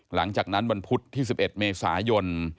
หลังจากนั้นวันพุธที่๑๑เมษายน